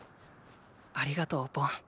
ありがとうボン。